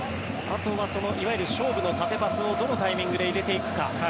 あとはいわゆる勝負の縦パスをどのタイミングで入れていくか。